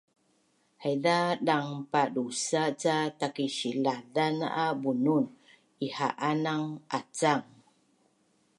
Haiza dang padusa’ ca takisilazan a bunun iha’anang acang